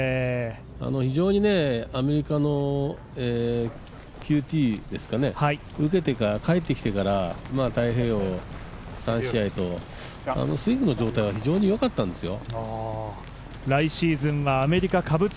非常にアメリカのＱＴを受けてから、帰ってきてから太平洋３試合と、スイングの状態は非常によかったんですよ。